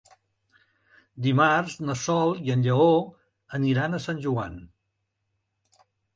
Dimarts na Sol i en Lleó aniran a Sant Joan.